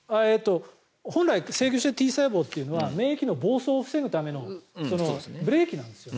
本来は制御性Ｔ細胞というのは免疫の暴走を防ぐためのブレーキなんですね。